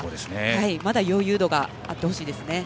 まだ余裕があってほしいですね。